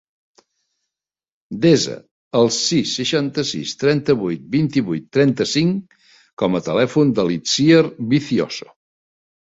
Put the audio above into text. Desa el sis, seixanta-sis, trenta-vuit, vint-i-vuit, trenta-cinc com a telèfon de l'Itziar Vicioso.